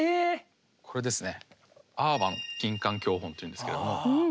これですね。